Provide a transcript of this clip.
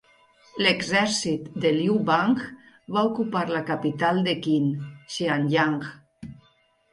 L'exèrcit de Liu Bang va ocupar la capital de Qin, Xianyang.